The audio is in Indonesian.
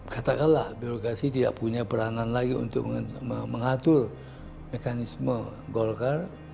katakanlah birokrasi tidak punya peranan lagi untuk mengatur mekanisme golkar